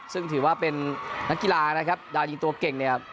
ซึ่งถือว่าเป็นนักกีฬานะครับดาวยิงตัวเก่งเนี่ย